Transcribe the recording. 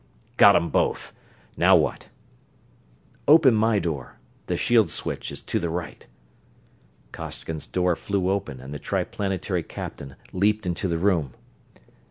Got 'em both. Now what?" "Open my door the shield switch is to the right." Costigan's door flew open and the Triplanetary captain leaped into the room.